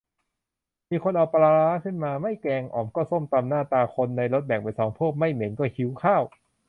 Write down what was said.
มีคนเอาปลาร้าขึ้นมา ไม่แกงอ่อมก็ส้มตำ หน้าตาคนในรถแบ่งเป็นสองพวก ไม่เหม็นก็หิวข้าว